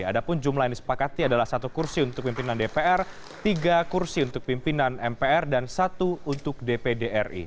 ada pun jumlah yang disepakati adalah satu kursi untuk pimpinan dpr tiga kursi untuk pimpinan mpr dan satu untuk dpd ri